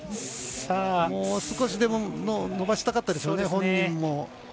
もう少しでも伸ばしたかったでしょうね、本人も。